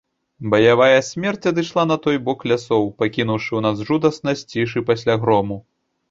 Баявая смерць адышла на той бок лясоў, пакінуўшы ў нас жудаснасць цішы пасля грому.